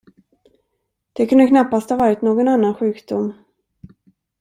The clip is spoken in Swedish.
Det kunde knappast ha varit någon annan sjukdom.